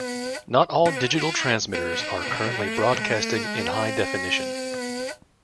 Not all digital transmitters are currently broadcasting in high definition.